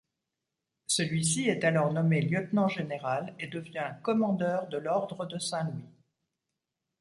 Celui-ci est alors nommé lieutenant général et devient commandeur de l'ordre de Saint-Louis.